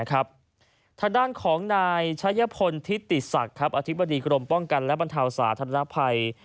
ทางด้านของนายชัยพลทิติศักดิ์อธิบดีกรมป้องกันและบรรเทาสาธารณภัย